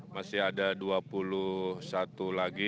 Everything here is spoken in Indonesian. masih ada dua puluh satu lagi